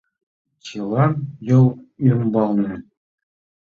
Чылан — йол ӱмбалне.